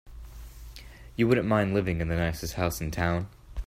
You wouldn't mind living in the nicest house in town.